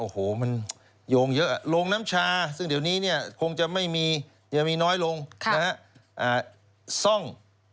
โอ้โหมันโยงเยอะโรงน้ำชาซึ่งเดี๋ยวนี้เนี่ยคงจะไม่มีจะมีน้อยลงซ่อง